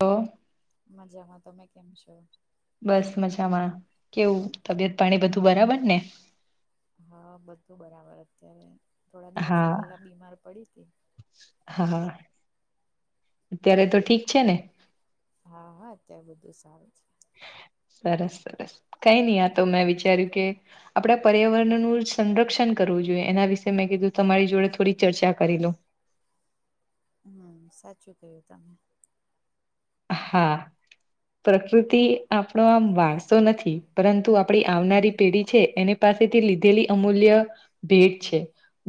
લો. મજામાં. તમે કેમ છો? બસ મજામાં કેવું તબિયત પાણી બધું બરાબર ને? હા બધું બરાબર અત્યારે, થોડા દિવસો પેલા બીમાર પડી તી. હા હા અત્યારે તો ઠીક છે ને? હા હા અત્યારે બધું સારું છે. સરસ સરસ કઈ નહી આ તો વિચાર્યું કે આપડા પર્યાવરણનું સંરક્ષણ કરવું જોઈએ, એના વિશે મેં કીધું તમારી જોડે થોડી ચર્ચા કરી લવ. હમ્મ સાચું કય્યું તમે. હા. પ્રકૃતિ આપણો આમ વારસો નથી પરંતુ આપડી આવનારી પેઢી છે એને પાસેથી લીધેલી અમૂલ્ય ભેટ છે.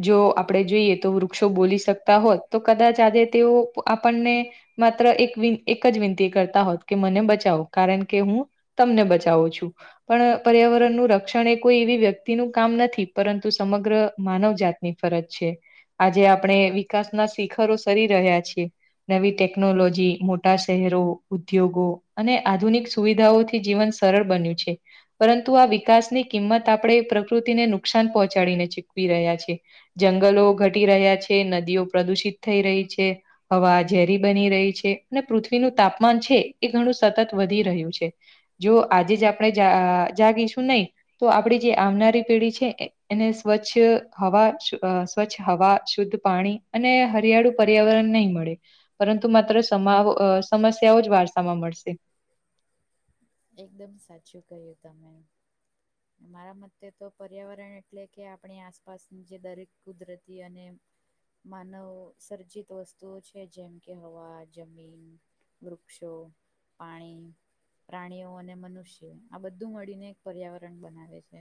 જો આપડે જોઈએ તો વૃક્ષો બોલી શકતા હોત, તો કદાચ આજે તેઓ આપણને માત્ર એકલી એક જ વિનંતી કરતા હોત કે મને બચાવો કારણ કે હું તમને બચાવું છું. પણ પર્યાવરણનું રક્ષણ એ કોઈ એવી વ્યક્તિનું કામ નથી પરંતુ સમગ્ર માનવજત ની ફરજ છે. આજે આપણે વિકાસ ના શિખરો સરી રહ્યા છીએ, નવી ટેકનોલોજી મો મોટા શહેરો, ઉદ્યોગો અને આધુનિક સુવિધાઓથી જીવન સરળ બન્યું છે. પરંતુ આ વિકાસની કિંમત આપડે પ્રકૃતિને નુકસાન પહોંચાડીને ચૂકવી રહ્યા છીએ. જંગલો ઘટી રહ્યા છે. નદીઓ પ્રદુષિત થઈ રહી છે. હવા ઝેરી બની રહી છે. ને પૃથ્વીનું તાપમાન છે એ ઘણું સતત વધી રહ્યું છે. જો આજે જ આપણે જાગીશું નઈ તો આપડી જે આવનારી પેઢી છે એને સ્વચ્છ હવા સ્વચ્છ હવા શુદ્ધ પાણી અને હરિયાળુ પર્યાવરણ નહી મળે પરંતુ માત્ર તમાવ સમસ્યાઓ જ વારસામાં મળશે. એકદમ સાચું કહ્યું તમે મારા મતે તો પર્યાવરણ એટલે કે આપણી આસપાસની જે દરેક કુદરતી અને માનવ સર્જિત વસ્તુઓ છે જેમ કે હવા, જમીન, વૃક્ષો, પાણી, પ્રાણીઓ અને મનુષ્યો આ બધું મળીને એક પર્યાવરણ બનાવે છે.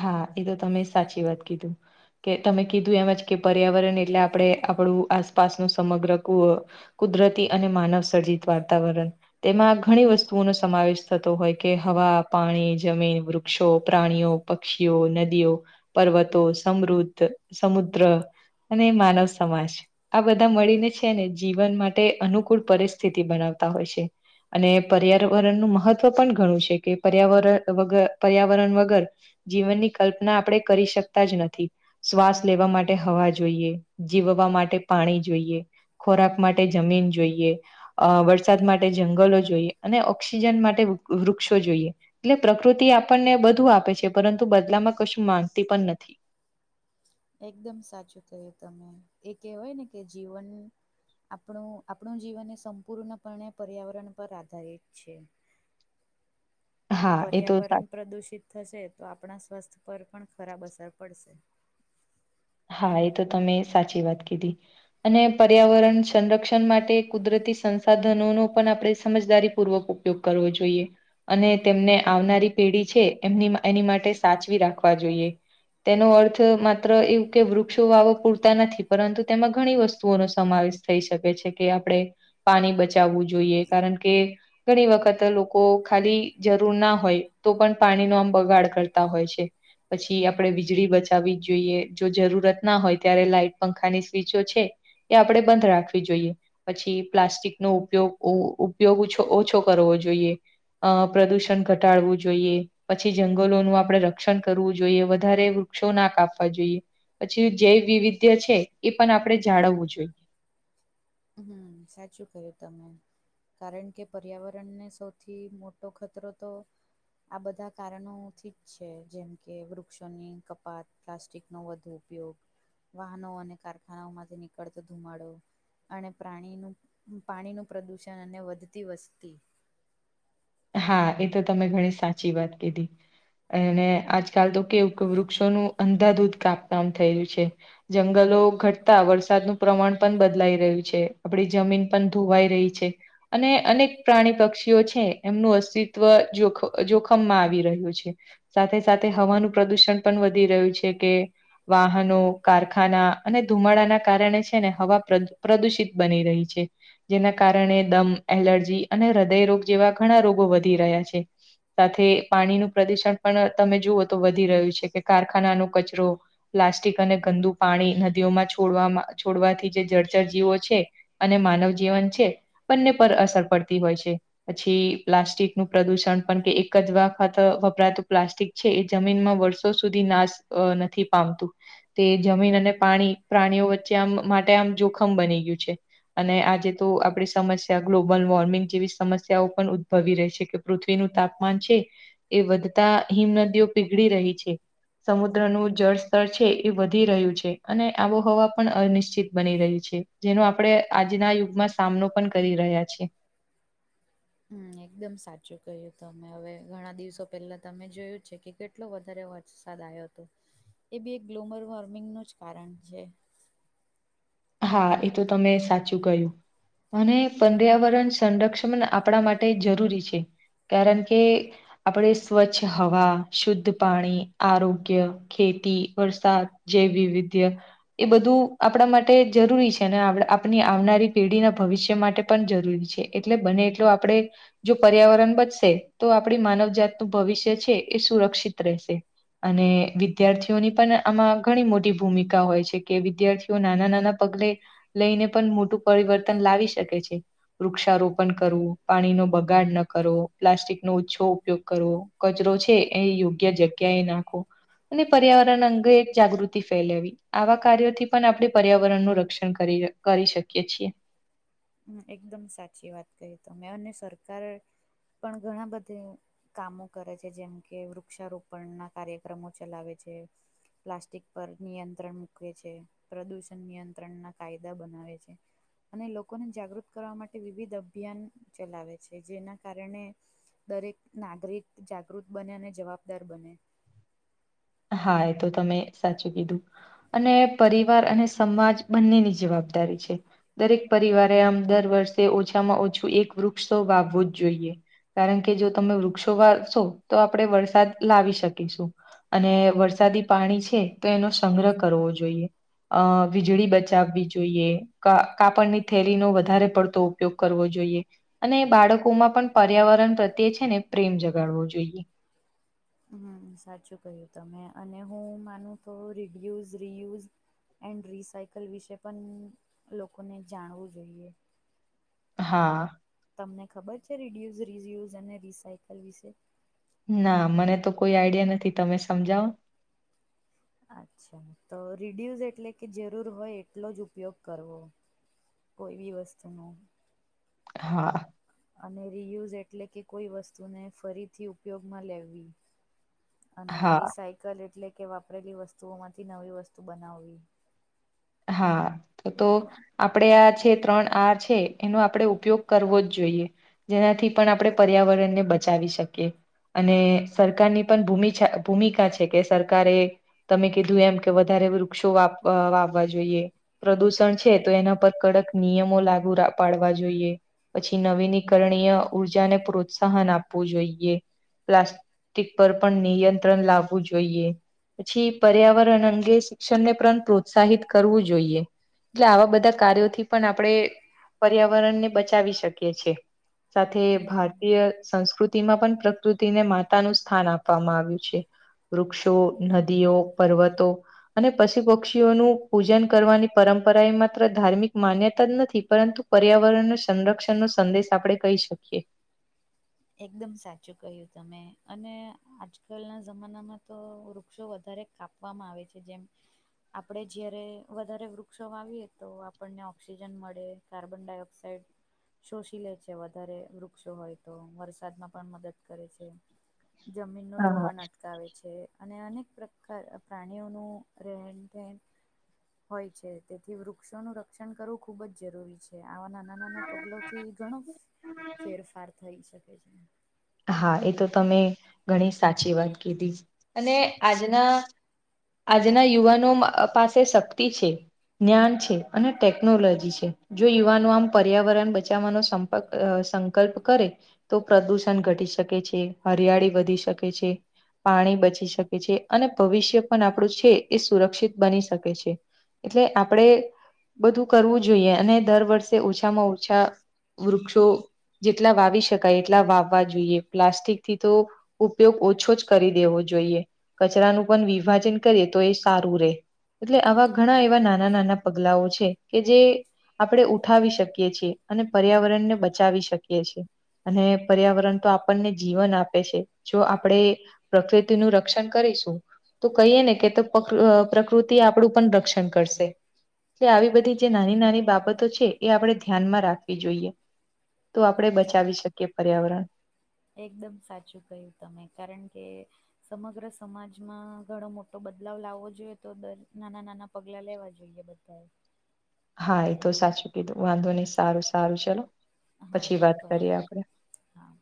હા, એ તો તમે સાચી વાત કીધી કે તમે કીધું એમ જ કે પર્યાવરણ એટલે આપણે આપણું આસપાસનું સમગ્ર કુળ, કુદરતી અને માનવ સર્જિત વાતાવરણ તેમાં ઘણી વસ્તુઓનો સમાવેશ થતો હોય કે હવા, પાણી, જમીન, વૃક્ષો, પ્રાણીઓ, પક્ષીઓ, નદીઓ, પર્વતો, સમૃદ્ધ, સમુદ્ર અને માનવ સમાજ આ બધા મળીને છે ને જીવન માટે અનુકૂળ પરિસ્થિતિ બનાવતા હોય છે. અને પર્યાવરણનું મહત્ત્વ પણ ઘણું છે કે પર્યાવરણ વગર પર્યાવરણ વગર જીવનની કલ્પના આપણે કરી શકતા જ નથી. શ્વાસ લેવા માટે હવા જોઈએ જીવવા માટે પાણી જોઈએ. ખોરાક માટે જમીન જોઈએ. અ વરસાદ માટે જંગલો જોઈએ અને ઓક્સિજન માટે વૃક્ષો જોઈએ. એટલે પ્રકૃતિ આપણને બધું આપે છે, પરંતુ બદલામાં કશું માનતી પણ નથી. એકદમ સાચું કહ્યું તમે એ કહેવાયને, કે જીવન આપણું આપણું જીવન એ સંપૂર્ણપણે પર્યાવરણ પર આધારિત છે. હા એ તો સા પર્યાવરણ પ્રદૂષિત થશે, તો આપણા સ્વાસ્થ્ય પર પણ ખરાબ અસર પડશે. હા, એ તો તમે સાચી વાત કીધી. પર્યાવરણ સંરક્ષણ માટે કુદરતી સંસાધનોનું પણ આપણે સમજદારી પૂર્વક ઉપયોગ કરવો જોઈએ. અને તેમને આવનારી પેઢી છે એમની એની માટે સાચવી રાખવા જોઈએ. તેનો અર્થ માત્ર એ કે વૃક્ષો વાવો પૂરતા નથી પરંતુ તેમાં ઘણી વસ્તુઓનો સમાવેશ થઈ શકે છે કે આપણે પાણી બચાવવું જોઈએ કારણ કે ઘણી વખત લોકો ખાલી જરૂર ના હોય, તો પણ પાણીનો આમ બગાડ કરતા હોય છે. પછી આપણે વીજળી બચાવવી જ જોઈએ. જો જરૂરત ના હોય, ત્યારે લાઈટ પંખાની સ્વિચો છે, એ આપણે બંધ રાખવી જોઈએ. પછી પ્લાસ્ટિકનો ઉપયોગ, ઉપયોગ ઓછો કરવો જોઈએ. અ પ્રદુષણ ઘટાડવું જોઈએ. પછી જંગલોનું આપણે રક્ષણ કરવું જોઈએ, વધારે વૃક્ષો ના કાપવા જોઈએ. પછી જે વિવિધ્ય છે, એ પણ આપણે જાળવવું જોઈએ. હમ્મ સાચું ક્યું તમે? કારણ કે પર્યાવરણને સૌથી મોટો ખતરો તો આ બધા કારણોથી જ છે, જેમ કે વૃક્ષોની કપાત પ્લાસ્ટિકનો વધુ ઉપયોગ વાહનો અને કારખાનાઓમાંથી નીકળતો ધુમાડો અને પ્રાણીનું, પાણીનું પ્રદૂષણ અને વધતી વસ્તી હા, એ તો તમે ઘણી સાચી વાત કીધી અને આજકાલ તો કે વૃક્ષોનું અંધાધૂધ કાપતા થયેલું છે. જંગલો ઘટતા વરસાદનું પ્રમાણ પણ બદલાઈ રહ્યું છે આપણી જમીન પણ ધોવાઈ રહી છે. છે અને અનેક પ્રાણી, પક્ષીઓ છે. એમનું અસ્તિત્વ જોખ જોખમમાં આવી રહ્યું છે. સાથે સાથે હવાનું પ્રદુષણ પણ વધી રહ્યું છે કે વાહનો, કારખાના અને ધુમાડાના કારણે છે ને, હવા પ્રદુષિત બની રહી છે. જેના કારણે દમ, એલર્જી અને હૃદયરોગ જેવા ઘણા રોગો વધી રહ્યા છે. સાથે પાણીનું પ્રદૂષણ પણ જુઓ તો વધી રહ્યું છે, કે કારખાનાનો કચરો પ્લાસ્ટિક અને ગંદુ પાણી નદીઓમાં છોડવામાં, છોડવાથી જે જર્ચરજીવો છે. અને માનવ જીવન છે, બંને પર અસર પડતી હોય છે. પછી પ્લાસ્ટિકનું પ્રદુષણ પણ કે એક જ વખત વપરાતું પ્લાસ્ટિક છે એ જમીનમાં વ ર્ષો સુધી નાશ નથી પામતું. તે જમીન અને પાણી, પ્રાણીઓ વચ્ચે આમ માટે આમ જોખમ બની ગયું છે. અને આજે તો આપણી સમસ્યા ગ્લોબલ વોર્મિંગ જેવી સમસ્યા ત્યાં પણ ઉદભવી રહે છે, કે પૃથ્વીનું તાપમાન છે. એ વધતા હિમનદીઓ પીગળી રહી છે. સમુદ્રનું જળસ્તર છે, એ વધી રહ્યું છે અને આબોહવા પણ અનિચ્છિત બની રહી છે. જેનો આપણે આજના યુગમાં સામનો પણ કરી રહ્યા છીએ. હમ્મ એકદમ સાચું કહ્યું તમે હવે, ઘણા દિવસો પહેલા તમે જોયું છે કે, કે એટલો વધારે વરસાદ આવ્યો હતો એ બી એક ગ્લોબલ વોર્મિંગનું જ કારણ છે. હા એ તો તમે સાચું કયું. અને પર્યાવરણ સંરક્ષણ આપણા માટે જરૂરી છે. કારણ કે આપણે સ્વચ્છ હવા શુદ્ધ પાણી આરોગ્ય ખેતી વરસાદ જૈવવિધ્ય એ બધું આપણા માટે તે જરૂરી છે ને આપણી આવનારી પેઢીના ભવિષ્ય માટે પણ જરૂરી છે એટલે બને એટલુ આપણે જો પર્યાવરણ બચશે તો આપણી માનવજાતનું ભવિષ્ય છે એ સુરક્ષિત રહેશે અને વિદ્યાર્થીઓની પણ આમાં ઘણી મોટી ભૂમિકા હોય છે કે વિદ્યાર્થીઓ નાના નાના ના પગલે લઈને પણ મોટું પરિવર્તન લાવી શકે છે. વૃક્ષારોપણ કરવું પાણી નો બગાડ ન કરો પ્લાસ્ટિક નો ઓછો ઉપયોગ કરો. કચરો છે એ યોગ્ય જગ્યા એ નાખો અને પર્યાવરણ અંગે એક જાગૃતિ ફેલાવી આવા કાર્યો થી પણ આપણે પર્યાવરણ નું રક્ષણ કરી કરી શકીએ છીએ હમ્મ એકદમ સાચી વાત કહી તમે અને સરકાર પણ ઘણા બધા કામો કરે છે જેમ કે વૃક્ષારોપણ ના કાર્યક્રમો ચલાવે છે પ્લાસ્ટિક પર નિયંત્રણ મૂકવે છે. પ્રદૂષણ નિયંત્રણ ના કાયદા બનાવે છે અને લો લોકોને જાગૃત કરવા માટે વિવિધ અભિયાન ચલાવે છે જેના કારણે દરેક નાગરિક જાગૃત બને અને જવાબદાર બને હા એ તો તમે સાચું કીધું અને પરિવાર અને સમાજ બંનેની જવાબદારી છે. દરેક પરિવારે આમ દર વર્ષે ઓછામાં ઓછું એક વૃક્ષ તો વાવવું જ જોઈએ. કારણ કે જો તમે વૃક્ષો વારશો તો આપણે વરસાદ લાવી શકીશું અને વરસાદી પાણી છે તો એનો સંગ્રહ કરવો જોઈએ. અ વીજળી બચાવવી જોઈએ. કાપડની થેલીનો વધારે પડતો ઉપયોગ કરવો જોઈએ અને બાળકો માં પણ પર્યાવરણ પ્રત્યે છે ને પ્રેમ જગાડવો જોઈએ હુ સાચું કહ્યું તમે અને હું માનું તો રીડ્યુઝ રિયુઝ એન્ડ રિસાયકલ વિશે પણ લોકોને જાણવું જોઈએ હા તમને ખબર છે રિડ્યુઝ રિયુઝ અને રિસાયકલ વિશે ના મને તો કોઈ આઈડિયા નથી તમે સમજાવો અચ્છા તો રીડ્યુઝ એટલે કે જરૂર હોય એટલો જ ઉપયોગ કરવો કોઈ બી વસ્તુનું હા અને રીયુઝ એટલે કે કોઈ વસ્તુને ફરીથી ઉપયોગમાં લેવી અને હા રિસાયકલ એટલે કે વાપરેલી વસ્તુઓમાંથી નવી વસ્તુ બનાવવી હા તો આપણે આ છે ત્રણ આ છે એનો આપણે ઉપયોગ કરવો જ જોઈએ જેનાથી પણ આપણે પર્યાવરણને બચાવી શકીએ અને સરકારની પણ ભૂમિ છે ભૂમિકા છે કે સરકારે તમે કીધું એમ કે વધારે વૃક્ષો વા અ વા જોઈ પ્રદુષણ છે તો એના પર કડક નિયમો લાગુ પાડવા જોઈએ પછી નવીનીકરણીય ઉર્જાને પ્રોત્સાહન આપવું જોઈએ પ્લા સ્ટિક પર પણ નિયંત્રણ લાવવું જોઈએ પછી પર્યાવરણ અંગે શિક્ષણને પણ પ્રોત્સાહિત કરવું જોઈએ એટલે આવા બધા કાર્યોથી પણ આપણેે પર્યાવરણને બચાવી શકીએ છીએ સાથે ભા હમ તીય સંસ્કૃતિમાં પણ પ્રકૃતિને માતા નું સ્થાન આપવામાં આવ્યું છે વૃક્ષો નદીઓ પર્વતો અને પશુ પક્ષીઓ નું પૂજન કરવાની પરંપરા એ માત્ર ધાર્મિક માન્યતા જ નથી પરંતુ પર્યાવરણ નું સંરક્ષણ નો સંદેશ આપળે કહી શકીએ એકદમ સાચું કહ્યું તમે અને આજકાલના જમાનામાં તો વૃક્ષો વધારે કાપ કામ આવે છે જેમ આપણે જયારે વધારે વૃક્ષો વાવીએ તો આપણને ઓક્સિજન મળે કાર્બન ડાયોક્સાઇડ શોષી લે છે વધારે વૃક્ષો હોય તો વરસાદમાં પણ મદદ કરે છે જમીન નું હા, ધોવાણ અટ ટકાવે છે અને અનેક પ્રકાર પ્રાણીઓનું રહેેન રહેન હોય છે તેથી વૃક્ષોનું રક્ષણ કરવું ખુબ જ જરૂરી છે આવા નાના નાના પગલોથી ઘણો ફેરફાર થઈ શકે છે હા એ તો તમે ઘણી સાચી વાત કીધી અને આજના આજના યુવાનો પાસે શક્તિ છે ન્યાન છે અને ટેકનોલોજી છે જો યુવાનો આમ પર્યાવરણ બચાવવાનો સંપક સંકલ્પ કરે તો પ્રદુષણ ઘટી શકે છે હરિયાળી વધી શકે છે પાણી બચી શકે છે અને ભવિષ્ય પણ આપણું છે એ સુરક્ષિત બની શકે છે એટલે આપણે બધું કરવું જોઈએ ને દર વર્ષે ઓછામાં ઓછા વૃક્ષો જેટલા વાવી શકાય એટલા વાવ વા જોઈએ પ્લાસ્ટિક થી તો ઉપયોગ ઓછો જ કરી દેવો જોઈએ કચરાનું પણ વિભાજન કરીએ તો એ સારું રે એટલે આવા ઘણા એવા નાના નાના પગલાઓ છે કે જે આપડે ઉઠાવી શકીએ છીએ અને પર્યાવરણ ને બચાવી શકીએ છીએ અને. પર્યાવરણ તો આપણને જીવન આપે છે જો આપડે પ્રકૃતિનું રક્ષણ કરીશું. તો કહીએ ને કે પ્રકૃતિ આપડું પણ રક્ષણ કરશે. કે આવી બધી જે નાની નાની બાબતો છે એ આપણે ધ્યાનમાં રાખવી જોઈએ. તો આપડે છે બચાવી શકીએ પર્યાવરણ. એકદમ સાચું કહ્યું તમે કારણ કે. સમગ્ર સમાજમાં ઘણો મોટો બદલાવ લાવવો જોઈએ તો દરેક નાના નાના. પગલાં લેવાં જોઈએ બધાએ. હા એ તો સાચું કીધું વાંધો નહી સારું સારું ચલો હા હા પછી વાત ભલે કરીએ આપડે. હા